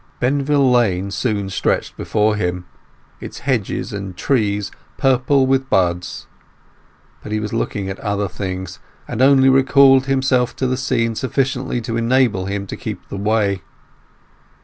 Benvill Lane soon stretched before him, its hedges and trees purple with buds; but he was looking at other things, and only recalled himself to the scene sufficiently to enable him to keep the way.